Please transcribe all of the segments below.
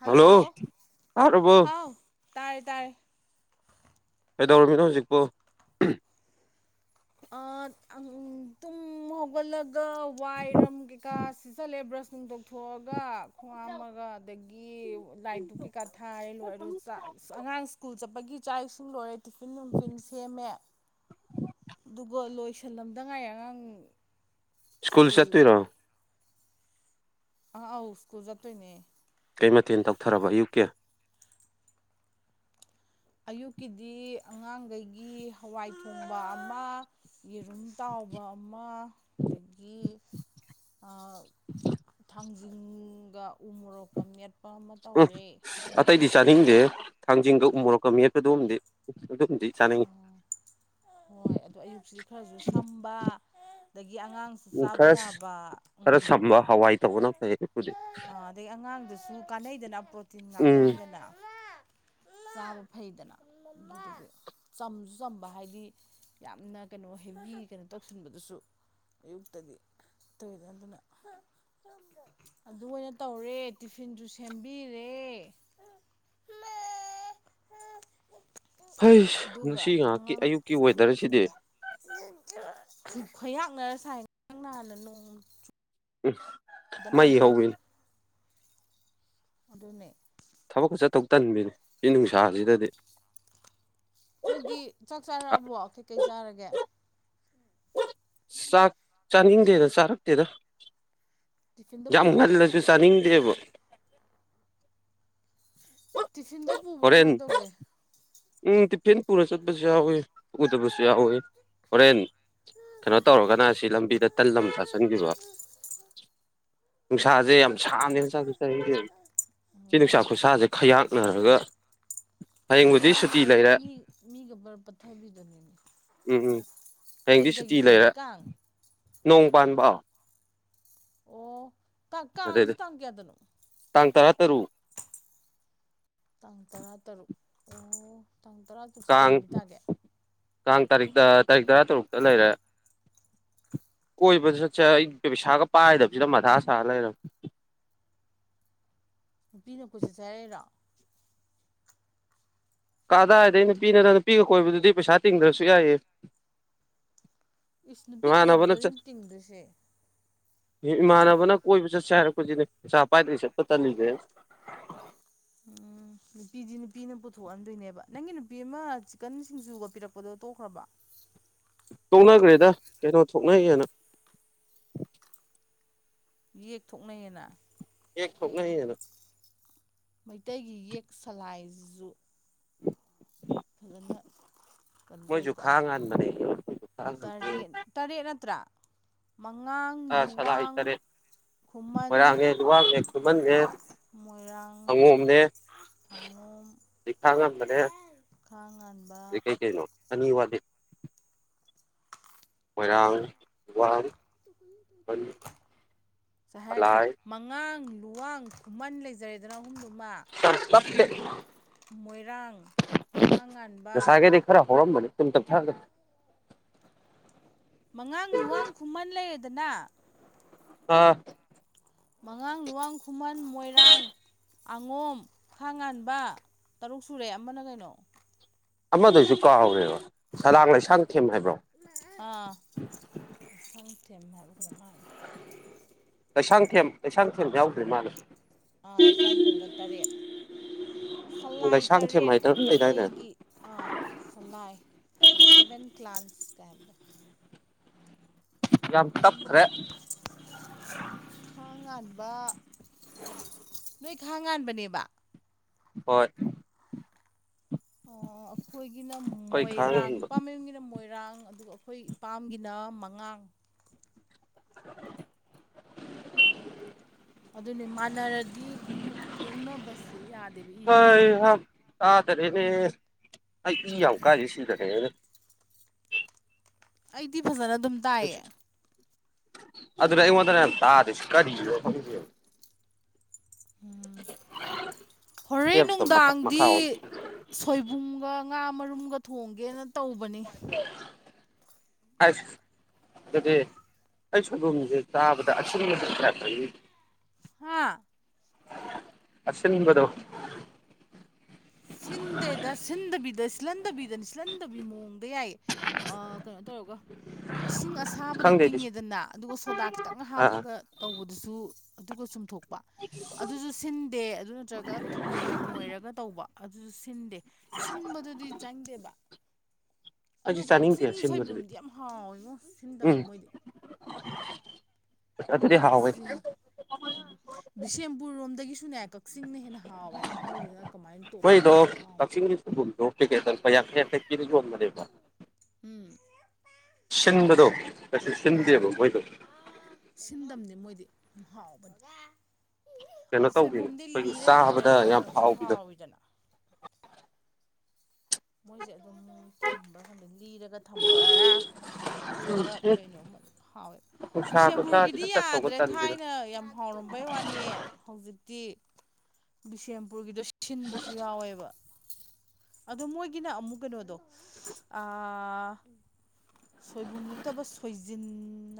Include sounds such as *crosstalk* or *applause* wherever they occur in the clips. hello ꯇꯥꯔꯕꯣ ꯍꯥꯎ ꯇꯥꯔꯦ ꯇꯥꯏ ꯀꯩꯗꯧꯔꯝꯃꯤꯅꯣ ꯍꯧꯖꯤꯛꯄꯨ ꯑꯥ ꯑꯪ ꯇꯨꯝ ꯍꯧꯒꯠꯂꯒ ꯋꯥꯏꯔꯝ ꯀꯩꯀꯥ ꯁꯤꯠꯆꯜꯂꯦ ꯕ꯭ꯔꯁ ꯅꯨꯡ ꯇꯧꯊꯣꯛꯑꯒ ꯈꯣꯡ ꯍꯥꯝꯃꯒ ꯑꯗꯒꯤ ꯂꯥꯏ ꯗꯨꯛ ꯀꯩꯀꯥ ꯊꯥꯏꯔꯦ ꯂꯣꯏꯔꯦ ꯑꯗꯨꯒ ꯆꯥꯛ ꯑꯉꯥꯡ ꯁ꯭ꯀꯨꯜ ꯆꯠꯄꯒꯤ ꯆꯥꯛ ꯏꯁꯤꯡ ꯂꯣꯏꯔꯦ ꯇꯤꯐꯤꯟ ꯅꯨꯡꯐꯤꯟ ꯁꯦꯝꯃꯦ ꯑꯗꯨꯒ ꯂꯣꯏꯁꯜꯂꯝꯗꯉꯥꯏꯔꯤ ꯑꯉꯥꯡ ꯁ꯭ꯀꯨꯜ ꯆꯠꯇꯣꯏꯔꯣ ꯑꯪ ꯑꯧ ꯁ꯭ꯀꯨꯜ ꯆꯠꯇꯣꯏꯅꯦ ꯀꯩ ꯃꯊꯦꯜ ꯇꯧꯊꯔꯕ ꯑꯌꯨꯛꯀꯤ ꯑꯌꯨꯛꯀꯤꯗꯤ ꯑꯉꯥꯡꯒꯩꯒꯤ ꯍꯋꯥꯏ ꯊꯣꯡꯕ ꯑꯃ ꯌꯦꯔꯨꯝ ꯇꯥꯎꯕ ꯑꯃ ꯑꯗꯒꯤ ꯑꯥ ꯊꯥꯡꯖꯤꯡꯒ ꯎ ꯃꯣꯔꯣꯛꯀ ꯃꯦꯠꯄ ꯑꯃ ꯎꯝ ꯇꯧꯔꯦ ꯑꯇꯩꯗꯤ ꯆꯥꯅꯤꯡꯗꯦ ꯊꯥꯡꯖꯤꯡꯒ ꯎꯃꯣꯔꯛꯀ ꯃꯦꯠꯄꯗꯨꯝꯗꯤ ꯑꯗꯨꯝꯗꯤ ꯆꯥꯅꯤꯡꯉꯤ ꯍꯣꯏ ꯑꯗꯣ ꯑꯌꯨꯛꯁꯤꯗꯤ ꯈꯔꯖꯨ ꯁꯝꯕ ꯑꯗꯒꯤ ꯑꯉꯥꯡꯁꯨ ꯎꯝ ꯆꯥꯕ ꯈꯔ ꯌꯥꯕ ꯈꯔ ꯎꯝ ꯁꯝꯕ ꯍꯋꯥꯏ ꯇꯧꯕꯅ ꯐꯩꯌꯦ ꯑꯗꯨꯕꯨꯗꯤ ꯑꯗꯩ ꯑꯉꯥꯡꯗꯖꯨ ꯀꯥꯟꯅꯩꯗꯅ ꯄ꯭ꯔꯣꯇꯤꯟ ꯎꯝ ꯉꯥꯛꯇꯅꯤꯗꯅ ꯃꯥ ꯆꯥꯕ ꯐꯩꯗꯅ ꯃꯝꯃꯥ ꯑꯗꯨꯗꯨꯒꯤ ꯆꯝꯁꯨ ꯆꯝꯕ ꯍꯥꯏꯗꯤ ꯌꯥꯝꯅ ꯀꯩꯅꯣ ꯍꯦꯕꯤ ꯀꯩꯅꯣ ꯇꯧꯁꯤꯟꯕꯗꯨꯁꯨ ꯑꯌꯨꯛꯇꯗꯤ ꯇꯟꯂꯤꯗ ꯑꯗꯨꯅ *unintelligible* ꯑꯗꯨ ꯑꯣꯏꯅ ꯇꯧꯔꯦ ꯇꯤꯐꯤꯟꯖꯨ ꯁꯦꯝꯕꯤꯔꯦ ꯍꯩꯁ ꯉꯁꯤ ꯑꯗꯨꯒ ꯉꯥꯏꯍꯥꯛꯀꯤ ꯑꯌꯨꯛꯀꯤ ꯋꯦꯗꯔꯁꯤꯗꯤ *unintelligible* ꯈꯣꯌꯥꯛꯅꯔꯒ ꯁꯥꯏ ꯉꯔꯥꯡ ꯅꯍꯥꯟꯅ ꯅꯣꯡ ꯏꯁ ꯗꯅ ꯃꯩ ꯑꯝꯇ ꯍꯧꯕꯤꯅꯤ ꯑꯗꯨꯅꯦ ꯊꯕꯛꯀ ꯆꯠꯇꯧ ꯇꯟꯕꯤꯅꯤ ꯁꯤ ꯅꯨꯡꯁꯥꯖꯤꯗꯗꯤ ꯅꯣꯏꯗꯤ ꯆꯥꯛ ꯆꯥꯔꯛꯑꯕꯣ ꯀꯩꯀꯩ ꯆꯥꯔꯒꯦ ꯆꯥꯛ ꯆꯥꯅꯤꯡꯗꯦꯗ ꯆꯥꯔꯛꯇꯦꯗ ꯇꯤꯐꯤꯟꯗ ꯌꯥꯝ ꯄꯨꯕ꯭ꯔꯥ ꯉꯜꯂꯖꯨ ꯆꯥꯅꯤꯡꯗꯦꯕ ꯇꯤꯐꯤꯟꯗꯣ ꯄꯨꯕ꯭ꯔꯣ ꯀꯃꯥꯏꯟ ꯇꯧꯒꯦ ꯑꯦ ꯇꯤꯐꯤꯟ ꯄꯨꯔ ꯆꯠꯄꯁꯨ ꯌꯥꯎꯋꯤ ꯄꯨꯗꯕꯁꯨ ꯌꯥꯎꯋꯤ ꯍꯣꯔꯦꯟ ꯀꯩꯅꯣ ꯇꯧꯔꯒꯅ ꯁꯤ ꯂꯝꯕꯤꯗ ꯇꯜ ꯑꯃ ꯆꯥꯁꯟꯒꯤꯕ ꯅꯨꯡꯁꯥꯖꯦ ꯌꯥꯝ ꯁꯥꯕꯅꯤꯅ ꯆꯥꯛꯇꯣ ꯆꯥꯅꯤꯡꯗꯦꯕ ꯁꯤ ꯎꯝ ꯅꯨꯡꯁꯥ ꯈꯨꯁꯥꯁꯦ ꯈꯌꯥꯛꯅꯔꯒ ꯍꯌꯦꯡꯕꯨꯗꯤ ꯁꯨꯇꯤ *unintelligible* ꯂꯩꯔꯦ ꯃꯤ ꯃꯤꯒ ꯕꯔ ꯄꯠꯊꯥꯕꯤꯗꯨꯅꯤꯅꯦ ꯎꯝ ꯎꯝ ꯍꯌꯦꯡꯗꯤ ꯁꯨꯇꯤ ꯂꯩꯔꯦ ꯅꯣꯡ ꯄꯥꯟꯕ ꯑꯣ ꯀꯥꯡ ꯀꯥꯡꯖꯤ ꯑꯗꯩꯗꯤ ꯇꯥꯡ ꯀꯌꯥꯗꯅꯣ ꯇꯥꯡ ꯇꯔꯥ ꯇꯔꯨꯛ ꯇꯥꯡ ꯇꯔꯥ ꯇꯔꯨꯛ ꯑꯣ ꯇꯥꯡ ꯇꯔꯥ ꯇꯔꯨꯛꯁꯦ ꯀꯩ ꯀꯥꯡ ꯅꯨꯃꯤꯠ ꯇꯥꯒꯦ ꯀꯥꯡ ꯇꯥꯔꯤꯛ ꯇꯥꯔꯤꯛ ꯇꯔꯥ ꯇꯔꯨꯛꯇ ꯂꯩꯔꯦ ꯀꯣꯏꯕ ꯆꯠꯁ° ꯑꯩ ꯄꯩꯁꯥꯒ ꯄꯥꯏꯗꯕꯁꯤꯗ ꯃꯊꯥ ꯁꯥꯔ ꯂꯩꯔꯕꯅꯤ ꯅꯨꯄꯤꯅ ꯀꯣꯏꯆꯠꯁꯦ ꯍꯥꯏꯔꯛꯏꯔꯣ ꯀꯥꯗꯥꯏꯗꯩ ꯅꯨꯄꯤꯅꯣꯗ ꯅꯨꯄꯤꯒ ꯀꯣꯏꯕꯗꯨꯗꯤ ꯄꯩꯁꯥ ꯇꯤꯡꯗ꯭ꯔꯁꯨ ꯌꯥꯏꯌꯦ ꯏꯁ ꯅꯨꯄꯤꯒ ꯏꯃꯥꯟꯅꯕꯅ ꯆꯠꯄꯗꯨꯅꯦ ꯆꯠ ꯇꯤꯡꯗꯣꯏꯁꯦ ꯏꯃꯥꯟꯅꯕꯅ ꯀꯣꯏꯕ ꯆꯠꯁꯤ ꯍꯥꯏꯔꯛꯄꯖꯤꯅꯤ ꯄꯩꯁꯥ ꯄꯥꯏꯗ꯭ꯔꯗꯤ ꯆꯠꯄ ꯇꯜꯂꯤꯖꯦ ꯑꯩꯅ ꯑ ꯅꯨꯄꯤꯗꯤ ꯅꯨꯄꯤꯅ ꯄꯨꯊꯣꯛꯍꯟꯗꯣꯏꯅꯦꯕ ꯅꯪꯒꯤ ꯅꯨꯄꯤ ꯑꯃ ꯆꯤꯛꯀꯟ ꯁꯤꯡꯖꯨꯒ ꯄꯤꯔꯛꯄꯗꯣ ꯇꯣꯛꯈ꯭ꯔꯕꯣ ꯇꯣꯛꯅꯒ꯭ꯔꯦꯗ ꯀꯩꯅꯣ ꯊꯣꯛꯅꯩꯌꯦꯅ ꯌꯦꯛ ꯊꯣꯛꯅꯩꯑꯌꯦꯅ ꯌꯦꯛ ꯊꯣꯛꯅꯩꯅ ꯃꯩꯇꯩꯒꯤ ꯌꯦꯛ ꯁꯂꯥꯏꯖꯤꯖꯨ ꯐꯖꯅ ꯀꯩꯅꯣ ꯇꯧꯋꯤꯀꯣ ꯉꯥꯟꯕꯅꯦ ꯇꯔꯦꯠ ꯇꯔꯦꯠ ꯅꯠꯇ꯭ꯔꯥ ꯃꯉꯥꯡ ꯂꯨꯋꯥꯡ ꯈꯨꯃꯟ ꯃꯣꯏꯔꯥꯡꯊꯦꯝ ꯂꯨꯋꯥꯡꯊꯦꯝ ꯈꯨꯃꯥꯟꯊꯦꯝ ꯃꯣꯏꯔꯥꯡ ꯑꯪꯉꯣꯝꯅꯦ ꯉꯥꯉꯣꯝ ꯑꯗꯩ ꯈꯥ ꯉꯥꯟꯕꯅꯦ ꯈꯥ ꯉꯥꯟꯕ ꯀꯩꯅꯣ ꯑꯅꯤ ꯋꯥꯂꯤ ꯃꯣꯏꯔꯥꯡ ꯂꯨꯋꯥꯡ ꯁꯦ ꯍꯥꯏꯔꯤꯁꯦ ꯁꯂꯥꯏ ꯃꯉꯥꯡ ꯂꯨꯋꯥꯡ ꯈꯨꯃꯟ ꯂꯩꯖꯔꯦꯗꯅ ꯑꯍꯨꯝꯗꯨꯃ ꯌꯥꯝ ꯇꯞꯄꯦ ꯑꯗꯒꯤ ꯃꯣꯏꯔꯥꯡ ꯈꯥꯡꯉꯥꯟꯕ ꯉꯁꯥꯏꯈꯩꯗꯤ ꯈꯔ ꯍꯧꯔꯝꯕꯅꯤ ꯇꯨꯝ ꯇꯞꯊꯥꯒꯔꯦ ꯃꯉꯥꯡ ꯂꯨꯋꯥꯡ ꯈꯨꯃꯟ ꯂꯩꯔꯦꯗꯅ ꯑꯥ ꯃꯉꯥꯡ ꯂꯨꯋꯥꯡ ꯈꯨꯃꯟ ꯃꯣꯏꯔꯥꯡ ꯑꯉꯣꯝ ꯈꯥ ꯉꯥꯟꯕ ꯇꯔꯨꯛ ꯁꯨꯔꯦ ꯑꯃꯅ ꯀꯩꯅꯣ ꯑꯃꯗꯣ ꯑꯩꯁꯨ ꯀꯥꯎꯒꯔꯦꯕ ꯁꯂꯥꯡ ꯂꯩꯁꯥꯡꯊꯦꯝ ꯍꯥꯏꯕ꯭ꯔꯣ ꯑꯥ ꯂꯩꯁꯥꯡꯊꯦꯝ ꯍꯥꯏꯕꯔꯥ ꯀꯩꯅꯣꯝ ꯍꯥꯏꯕꯅꯤ ꯂꯩꯁꯥꯡꯊꯦꯝ ꯂꯩꯁꯥꯡꯊꯦꯝ ꯌꯥꯎꯗ꯭꯭ꯔꯤ ꯃꯥꯂꯦ ꯂꯩꯁꯥꯡ ꯊꯦꯝꯒ ꯇꯔꯦꯠ ꯁꯂꯥꯏ ꯂꯩꯁꯥꯡꯊꯦꯝ ꯇꯔꯦꯠ ꯍꯥꯏꯗꯅ ꯑꯃ ꯂꯩꯗꯥꯏꯅꯦ ꯃꯩꯇꯩꯒꯤ ꯑꯥ ꯁꯂꯥꯏ ꯁꯚꯦꯟ ꯀ꯭ꯂꯥꯟꯁ ꯀꯩ ꯍꯥꯏꯕꯗꯣ ꯌꯥꯝ ꯎꯝ ꯇꯞ꯭ꯈꯔꯦ ꯈꯥ ꯉꯥꯟꯕ ꯅꯣꯏ ꯈꯥ ꯉꯥꯟꯕꯅꯦꯕ ꯍꯣꯏ ꯑꯩꯈꯣꯏꯒꯤꯅ ꯑꯩꯈꯣꯏ ꯈꯥꯡ ꯃꯣꯏꯔꯥꯡ ꯅꯨꯄꯥ ꯉꯟꯕ ꯃꯌꯨꯝꯒꯤꯅ ꯃꯣꯏꯔꯥꯡ ꯑꯗꯨꯒ ꯑꯩꯈꯣꯏ ꯏꯄꯥꯝꯒꯤꯅ ꯃꯉꯥꯡ *unintelligible* ꯑꯗꯨꯅꯦ ꯃꯥꯟꯅꯔꯗꯤ ꯂꯧꯅꯕꯁꯦ ꯌꯥꯗꯦꯕ ꯏ ꯍꯩꯍꯥ ꯃꯔꯤꯅꯤꯅ ꯇꯥꯗꯔꯦꯅꯦ ꯑꯩ ꯏ ꯌꯥꯝ ꯀꯥꯏꯁꯦ ꯁꯤꯗꯅꯦ ꯑꯩꯅ ꯑꯩꯗꯤ ꯐꯖꯅ ꯑꯗꯨꯝ ꯇꯥꯏꯌꯦ ꯑꯩ ꯑꯗꯨꯅ ꯑꯩꯉꯣꯟꯗꯅ ꯌꯥꯝ ꯇꯥꯗꯁꯤ ꯀꯔꯤꯅꯣ ꯈꯪꯗꯦꯕ ꯎꯝ ꯍꯣꯔꯦꯟ ꯇꯦꯞꯇꯣ ꯃꯊꯛ ꯃꯈꯥ ꯅꯨꯡꯗꯥꯡꯗꯤ ꯑꯣꯟ ꯁꯣꯏꯕꯨꯝꯒ ꯉꯥ ꯃꯔꯨꯝꯒ ꯊꯣꯡꯒꯦꯅ ꯇꯧꯕꯅꯤ ꯑꯁ ꯑꯗꯨꯗꯤ ꯑꯩ ꯁꯣꯏꯕꯨꯝꯖꯦ ꯆꯥꯕꯗ ꯑꯁꯤꯟꯕꯖꯦ ꯐꯔꯛ ꯅꯤꯅꯦ ꯍꯥꯥ ꯑꯁꯤꯟꯕꯗꯣ ꯁꯤꯟꯗꯦꯗ ꯁꯤꯟꯗꯕꯤꯗ ꯁꯤꯜꯍꯟꯗꯕꯤꯗꯅ ꯁꯤꯜꯍꯟꯗꯕꯤ ꯃꯑꯣꯡꯗ ꯌꯥꯏꯌꯦ ꯑꯥ ꯀꯩꯅꯣ ꯇꯧꯔꯒ ꯏꯁꯤꯡ ꯑꯁꯥꯕꯗ ꯈꯪꯗꯦ ꯑꯩꯗꯤ ꯇꯤꯡꯉꯦꯗꯅ ꯑꯗꯨꯒ ꯁꯣꯗꯥ ꯈꯤꯇꯪ ꯑꯥ ꯍꯥꯞꯄꯒ ꯇꯧꯕꯗꯨꯁꯨ ꯑꯗꯨꯒ ꯆꯨꯝꯊꯣꯛ ꯑꯗꯨꯖꯨ ꯁꯤꯟꯗꯦ ꯑꯗꯨ ꯅꯠꯇ꯭ꯔꯒ ꯊꯨꯝꯅ ꯅꯣꯏꯔꯒ ꯇꯧꯕ ꯑꯗꯨꯁꯨ ꯁꯤꯟꯗꯦ ꯁꯤꯟꯕꯗꯨꯗꯤ ꯆꯪꯗꯦꯕ ꯑꯗꯣ ꯑꯩꯁꯨ ꯆꯥꯅꯤꯡꯗꯦ ꯀꯛꯆꯤꯡ ꯑꯁꯤꯟꯕꯗꯨꯗꯤ ꯁꯣꯏꯕꯨꯝꯗꯤ ꯌꯥꯝ ꯍꯥꯎꯋꯤꯉꯣ ꯁꯤꯟꯗꯃꯦ ꯎꯝ ꯃꯣꯏꯗꯤ *unintelligible* ꯑꯗꯨꯗꯤ ꯍꯥꯎꯋꯦ ꯀꯛꯆꯤꯡ ꯕꯤꯁꯦꯝꯄꯨꯔ ꯂꯣꯝꯗꯒꯤꯁꯨꯅꯦ ꯀꯛꯆꯤꯡꯅ ꯍꯦꯟꯅ ꯍꯥꯎꯋꯦꯕ ꯃꯣꯏꯗꯨꯅ ꯀꯃꯥꯏꯅ ꯇꯣꯞ ꯃꯣꯏꯗꯣ ꯇꯣꯞꯄ ꯃꯍꯥꯎꯑꯃ *unintelligible* ꯎꯝ ꯁꯤꯟꯕꯗꯣ ꯀꯩꯁꯨ ꯁꯤꯟꯗꯦꯕ ꯃꯣꯏꯗꯣ ꯁꯤꯟꯗꯕꯅꯤ ꯃꯣꯏꯗꯤ ꯍꯥꯎꯕꯅꯤ ꯑ ꯀꯩꯅꯣ ꯇꯧꯕꯤꯅꯦ ꯁꯣꯏꯕꯨꯝꯗꯤ ꯑꯩꯈꯣꯏꯒꯤ ꯂꯤꯔ ꯆꯥꯕꯗ ꯂꯤꯔꯒ ꯌꯥꯝ ꯍꯦꯟꯅꯁꯨ ꯍꯥꯎꯕꯤꯗꯣ ꯍꯥꯎꯋꯤꯗꯅ ꯃꯣꯏꯁꯦ ꯑꯗꯨꯝ ꯊꯝꯕ꯭ꯔꯥ ꯈꯪꯗꯤꯦ ꯂꯤꯔꯒ ꯊꯝꯕꯔꯥ ꯖꯥꯒ ꯅꯨꯡꯁꯥ ꯀꯩꯅꯣꯃ ꯍꯥꯎꯋꯦ ꯕꯤꯁꯦꯝꯄꯨꯔꯒꯤꯗꯤ ꯈꯨꯁꯥꯁꯤꯗ ꯆꯠꯇꯧꯕ ꯌꯥꯗ꯭ꯔꯦ ꯇꯟꯁꯤꯗ ꯊꯥꯏꯅ ꯌꯥꯝ ꯍꯥꯎꯔꯝꯕꯩ ꯋꯥꯅꯤ ꯍꯧꯖꯤꯛꯇꯤ ꯕꯤꯁꯦꯝꯄꯨꯔꯒꯤꯗꯣ ꯁꯤꯟꯕꯁꯨ ꯌꯥꯎꯋꯦꯕ ꯑꯗꯣꯃꯣꯏ ꯒꯤꯅ ꯑꯃꯨꯛ ꯀꯩꯅꯣꯗꯣ ꯑ ꯁꯣꯏꯕꯨꯝ ꯅꯠꯇꯕ ꯁꯣꯏꯖꯤꯟ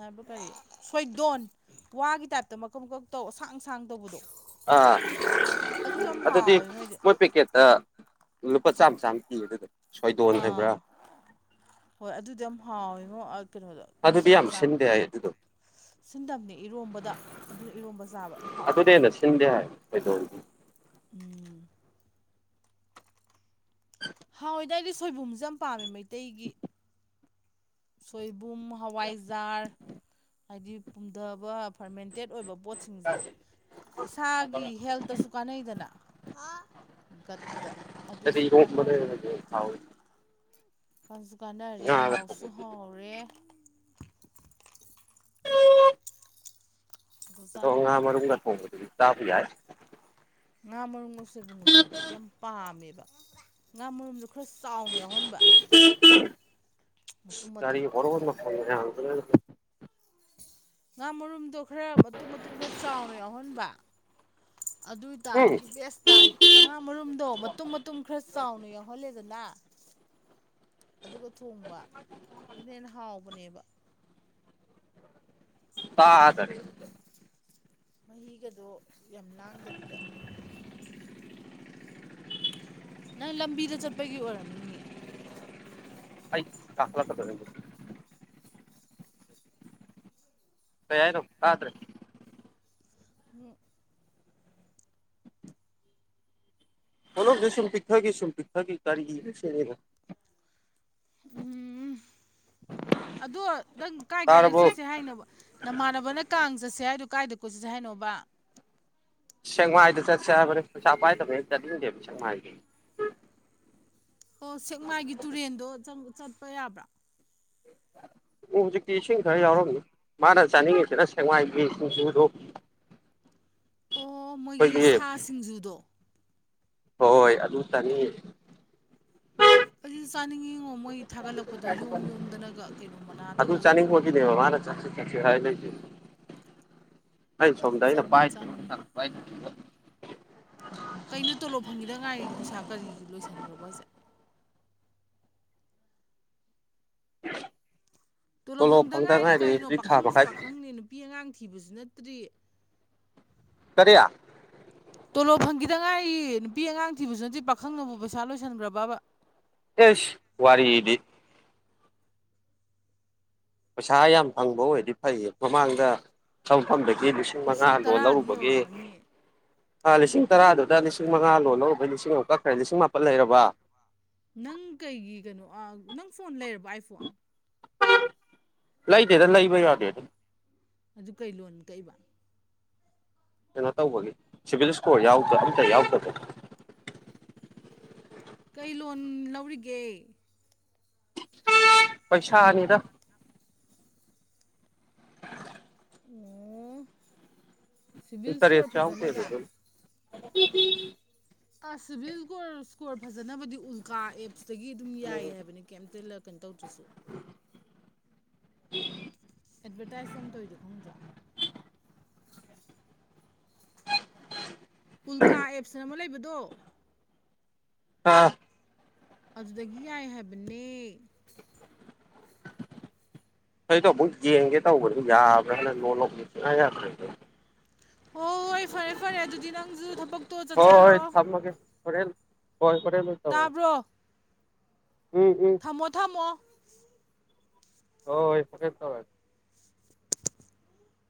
ꯍꯥꯏꯕ ꯀꯩꯅꯣ ꯁꯣꯏꯗꯣꯟ ꯋꯥꯒꯤ ꯇꯥꯏꯞꯇ ꯃꯀꯛ ꯃꯀꯛ ꯇꯧꯁꯥꯡ ꯁꯥꯡ ꯇꯧꯕꯗꯣ ꯑꯥ ꯑꯗꯨꯁꯨ ꯌꯥꯝ ꯑꯗꯨꯗꯤ ꯍꯥꯎꯋꯦ ꯃꯣꯏꯗꯤ ꯃꯣꯏ ꯄꯦꯀꯦꯠꯇ ꯂꯨꯄꯥ ꯆꯥꯃ ꯆꯥꯃ ꯄꯤꯕꯅꯦ ꯑꯥ ꯍꯣꯏ ꯑꯗꯨꯗꯤ ꯌꯥꯝ ꯍꯥꯎꯋꯤꯉꯣ ꯀꯩꯅꯣꯗꯣ ꯑꯗꯨꯗꯤ ꯁꯥꯡ ꯌꯥꯝ ꯁꯥꯡ ꯁꯤꯟꯗꯦ ꯍꯥꯏ ꯏꯔꯣꯝ ꯑꯗꯨꯗꯣ ꯁꯤꯟꯗꯕꯅꯦ ꯏꯔꯣꯝꯕꯗ ꯑꯗꯨꯅ ꯏꯔꯣꯝꯕ ꯆꯥꯕ ꯍꯥꯎꯋꯦ ꯑꯗꯨꯗ ꯍꯦꯟꯅ ꯁꯤꯟꯗꯦ ꯍꯥꯏ ꯀꯩꯗꯧꯔꯗꯤ ꯎꯝ ꯍꯥꯎꯋꯦꯗꯏꯗꯤ ꯁꯣꯏꯕꯨꯝꯁꯦ ꯌꯥꯝ ꯄꯥꯝꯃꯦ ꯃꯩꯇꯩꯒꯤ ꯁꯣꯏꯕꯨꯝ ꯍꯋꯥꯏꯖꯥꯔ ꯍꯥꯏꯗꯤ ꯄꯨꯝꯊꯕ ꯐꯔꯃꯦꯟꯇꯦꯠ ꯑꯣꯏꯕ ꯄꯣꯠꯁꯤꯡꯁꯦ ꯏꯁꯥꯒꯤ ꯍꯦꯜꯇꯁꯨ ꯀꯥꯟꯅꯩꯗꯅ ꯒꯠꯇ ꯑꯗꯨꯁꯨ ꯀꯥꯟꯅꯔꯦ ꯍꯥꯎꯋꯦ ꯀꯁ ꯀꯥꯟꯅꯔꯦ ꯉꯥꯒ ꯍꯥꯎꯁꯨ ꯍꯥꯎꯔꯦ ꯑꯗꯨꯖꯥꯠꯅꯤ *unintelligible* ꯐꯣꯡ ꯇꯥꯕ ꯌꯥꯏ ꯉꯥ ꯃꯔꯨꯝ ꯉꯁ ꯊꯣꯡꯕꯗꯣ ꯑꯩꯗꯤ ꯌꯥꯝ ꯄꯥꯝꯃꯦꯕ ꯉꯥ ꯃꯔꯨꯝꯗꯣ ꯈꯔ ꯆꯥꯎꯅ ꯌꯥꯎꯍꯟꯕ ꯃꯇꯨꯝ ꯀꯔꯤ ꯃꯇꯨꯝ *unintelligible* ꯉꯥ ꯃꯔꯨꯝꯗꯣ ꯈꯔ ꯃꯇꯨꯝ ꯃꯇꯨꯝ ꯈꯔ ꯆꯥꯎꯅ ꯌꯥꯎꯍꯟꯕ ꯑꯗꯨ ꯑꯣꯏ ꯎꯝ ꯇꯔꯗꯤ ꯕꯦꯁ ꯇꯥꯔꯦ ꯉꯥ ꯃꯔꯨꯝꯗꯣ ꯃꯇꯨꯝ ꯃꯇꯨꯝ ꯈꯔ ꯆꯥꯎꯅ ꯌꯥꯎꯍꯜꯂꯦꯗꯅ ꯑꯗꯨꯒ ꯊꯣꯡꯕ ꯑꯗꯨꯅ ꯍꯦꯟꯅ ꯍꯥꯎꯕꯅꯦꯕ ꯇꯥꯗꯔꯦ ꯃꯍꯤꯒꯗꯣ ꯌꯥꯝ ꯂꯥꯡꯗꯕꯤꯗ ꯅꯪ ꯂꯝꯕꯤꯗ ꯆꯠꯄꯒꯤ ꯑꯣꯏꯔꯝꯅꯤꯌꯦ ꯑꯩ ꯀꯥꯥꯛꯂ ꯀꯗꯧꯔꯦ ꯀꯩꯍꯥꯏꯅꯣ ꯇꯥꯗꯔꯦ ꯃꯤ ꯅꯥꯔꯣꯜꯗꯣ ꯁꯨꯝ ꯄꯤꯛꯊꯒꯤ ꯁꯨꯝ ꯄꯤꯛꯊꯛꯒꯤ ꯀꯔꯤꯅꯣꯅꯦ ꯎꯝ ꯑꯗꯣ ꯅꯪ ꯀꯥꯏꯀꯥꯏꯗ ꯇꯥꯔꯕꯣ ꯆꯠꯁꯦ ꯍꯥꯏꯅꯣꯕ ꯅꯃꯥꯟꯅꯕꯅ ꯀꯥꯡ ꯆꯠꯁꯦ ꯍꯥꯏꯗꯣ ꯀꯥꯏꯗ ꯀꯣꯏꯆꯠꯁꯦ ꯍꯥꯏꯅꯣꯕ ꯁꯦꯡꯃꯥꯏꯗ ꯆꯠꯁꯦ ꯍꯥꯏꯕꯅꯤ ꯄꯩꯁꯥ ꯄꯥꯏꯗꯕꯅꯦꯅ ꯆꯠꯅꯤꯡꯗꯦꯕ ꯁꯦꯡꯃꯥꯏꯗꯗꯤ ꯑꯣ ꯁꯦꯛꯃꯥꯏꯒꯤ ꯇꯨꯔꯦꯟꯗꯣ ꯆꯠꯄ ꯌꯥꯕ꯭ꯔꯥ ꯑꯣ ꯍꯧꯖꯤꯛꯇꯤ ꯏꯁꯤꯡ ꯈꯔ ꯌꯥꯎꯔꯝꯅꯤ ꯃꯥꯅ ꯆꯥꯅꯤꯡꯉꯤꯁꯤꯅ ꯁꯦꯡꯃꯥꯏꯒꯤ ꯁꯤꯡꯖꯨꯗꯣ *inaudible* ꯑꯣ ꯃꯣꯏꯒꯤ ꯑꯩꯈꯣꯏꯒꯤ ꯁꯥ ꯁꯤꯡꯖꯨꯗꯣ ꯍꯣꯏ ꯑꯗꯨꯇꯅꯤ ꯑꯩꯁꯨ ꯆꯥꯅꯤꯡꯉꯤꯉꯣ ꯃꯣꯏ ꯊꯥꯒꯠꯂꯛꯄꯗꯣ ꯌꯣꯝ ꯌꯣꯝꯗꯅꯒ ꯀꯩꯅꯣ ꯃꯅꯥꯗꯒ ꯑꯗꯨꯏ *unintelligible* ꯆꯥꯁꯦ ꯀꯦꯏꯁꯨꯍꯥꯏ ꯂꯩꯇꯦ ꯑꯩꯁꯨ ꯆꯠꯅꯤꯡ ꯆꯥꯅꯤꯡꯉꯤ *unintelligible* ꯀꯩꯅꯣ ꯇꯣꯂꯣꯞ ꯐꯪꯈꯤꯗ ꯉꯥꯏꯔꯤ ꯁꯥ ꯀꯔꯤ ꯂꯣꯏꯁꯤꯟꯈ꯭ꯔꯕꯣ ꯍꯥꯏꯁꯦ ꯇꯣꯂꯣꯞ ꯐꯪꯗ ꯉꯥꯏꯔꯤ ꯀꯔꯤꯅꯣ ꯄꯥꯈꯪꯁꯨ ꯄꯥꯈꯪꯅꯦ ꯅꯨꯄꯤ ꯑꯉꯥꯡ ꯊꯤꯕꯁꯨ ꯅꯠꯇ꯭ꯔꯤ ꯀꯔꯤꯌꯥ ꯇꯣꯂꯣꯞ ꯐꯪꯈꯤꯗꯉꯥꯏꯌꯦ ꯅꯨꯄꯤ ꯑꯉꯥꯡ ꯊꯤꯕꯁꯨ ꯅꯠꯇ ꯄꯥꯈꯪꯅꯕꯨ ꯄꯩꯁꯥ ꯂꯣꯏꯁꯤꯟꯕ꯭ꯔ ꯕ ꯑꯦꯁ ꯋꯥꯔꯤ ꯏꯗꯤ ꯄꯩꯁꯥ ꯌꯥꯝ ꯐꯪꯕ ꯑꯣꯏꯔꯗꯤ ꯐꯩꯌꯦ ꯃꯃꯥꯡꯗ ꯆꯪꯐꯝꯗꯒꯤ ꯄꯨꯡ ꯂꯤꯁꯤꯡ ꯃꯉꯥꯗꯣ ꯇꯔꯥꯗꯤ ꯂꯧꯔꯨꯕꯒꯤ ꯌꯧꯔꯝꯃꯅꯤ ꯂꯤꯁꯤꯡ ꯇꯔꯥꯗꯨꯗ ꯂꯤꯁꯤꯡ ꯃꯉꯥ ꯂꯣꯟꯜꯍꯨꯕꯩ ꯂꯤꯁꯤꯡ ꯑꯃꯨꯛꯀꯛ ꯈ꯭ꯔꯦ ꯂꯤꯁꯤꯡ ꯃꯥꯄꯜ ꯂꯩꯔꯕ ꯅꯪ ꯀꯩꯒꯤ ꯀꯩꯅꯣ ꯅꯪ ꯐꯣꯟ ꯂꯩꯔꯕ ꯑꯥꯏꯐꯣꯟ ꯂꯩꯇꯦꯗ ꯂꯩꯕ ꯌꯥꯗꯦ ꯑꯗꯨꯝ ꯑꯗꯨ ꯀꯩ ꯂꯣꯟ ꯀꯛꯏꯕ ꯀꯩꯅꯣ ꯇꯧꯕꯒꯤ ꯁꯤꯚꯤꯜ ꯏꯁꯀꯣꯔ ꯌꯥꯎꯗ ꯑꯝꯇ ꯌꯥꯎꯗꯕ ꯀꯩ ꯂꯣꯟ ꯂꯧꯔꯤꯒꯦ ꯄꯩꯁꯥꯅꯤꯗ ꯑꯣ ꯏ ꯁꯤꯚꯤꯜ ꯇꯔ ꯏꯁꯀꯣꯔ ꯌꯦꯠ ꯆꯗꯦꯕ ꯐꯖꯅꯕ ꯑꯗꯨ ꯁꯤꯚꯤꯜ ꯏꯁꯀꯣꯔ ꯐꯖꯅꯕꯗꯤ ꯎꯜꯀꯥꯑꯦꯕ ꯁꯤꯗꯒꯤ ꯑꯗꯨꯝ ꯌꯥꯏꯌꯦ ꯍꯥꯏꯕꯅꯤ ꯀꯩꯝꯇꯂ ꯀꯩꯅꯣ ꯇꯧꯗ꯭ꯔꯁꯨ ꯎꯝ ꯑꯦꯗꯚꯔꯇꯥꯏꯁ ꯑ ꯇꯧꯔꯤꯗ ꯈꯪꯗ꯭ꯔꯥ ꯎꯜꯀꯥ ꯑꯦꯞꯁꯅ ꯑꯃ ꯂꯩꯕꯗꯣ ꯑꯥ ꯑꯗꯨꯗꯒꯤ ꯌꯥꯏ ꯍꯥꯏꯕꯅꯦ ꯀꯩꯗꯣ ꯑꯃꯨꯛ ꯌꯦꯡꯒꯦ ꯇꯧꯕꯅ ꯌꯥꯕ꯭ꯔꯥꯅ ꯂꯣꯟ ꯂꯧꯕꯃꯤ ꯆꯉ ꯌꯥꯈ꯭ꯔꯦ ꯍꯣꯏ ꯍꯣꯏ ꯐꯔꯦ ꯐꯔꯦ ꯑꯗꯨꯗꯤ ꯅꯪꯁꯨ ꯊꯕꯛꯇꯣ ꯆꯠꯆꯔꯣ ꯃꯒꯦ ꯍꯔꯦꯜ ꯍꯣꯏ ꯈꯔꯦꯜ ꯇꯥꯕ꯭ꯔꯣ ꯎꯝ ꯎꯝ ꯊꯃꯣ ꯊꯃꯣ ꯍꯣꯏ ꯍꯣꯏ ꯁꯀꯦ ꯇꯧꯔꯦ